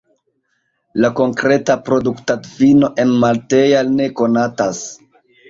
La konkreta produktadfino enmalteja ne konatas.